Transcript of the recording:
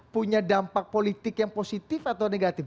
punya dampak politik yang positif atau negatif